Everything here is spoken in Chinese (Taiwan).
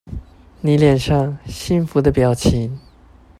妳臉上幸福的表情